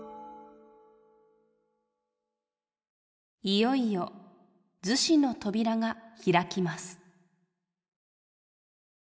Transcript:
「いよいよ厨子の扉が開きます」。